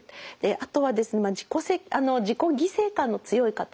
あとは自己犠牲感の強い方。